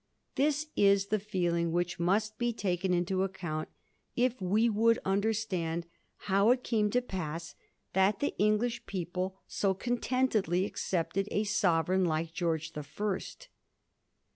This is the feeling which must be taken into account if we would understand how it came to pass that the English people so contentedly accepted a sovereign like Greorge the First.